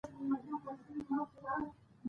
هندوکش د افغانستان د چاپیریال ساتنې لپاره مهم دي.